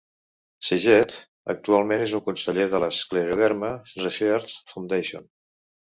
Saget actualment és un conseller de la Scleroderma Research Foundation.